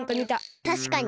たしかに。